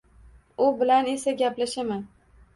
U bilan esa gaplashaman.